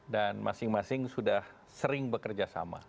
dan masing masing sudah sering bekerjasama